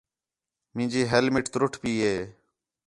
مینجی ہیلمٹ تُرُٹ پئی ہے